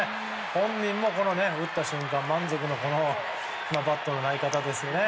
本人も打った瞬間、満足のバットの投げ方ですよね。